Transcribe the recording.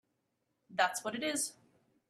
That’s what it is!